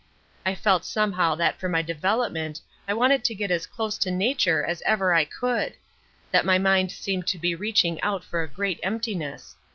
I felt somehow that for my development I wanted to get as close to nature as ever I could that my mind seemed to be reaching out for a great emptiness.